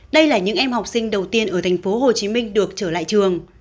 đây là những em học sinh đầu tiên ở tp hcm được trở lại trường